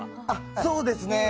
そうですね。